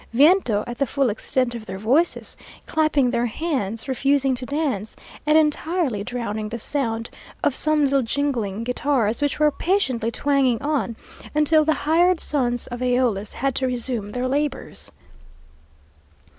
Viento!_" at the full extent of their voices, clapping their hands, refusing to dance, and entirely drowning the sound of some little jingling guitars, which were patiently twanging on, until the hired sons of AEolus had to resume their labours.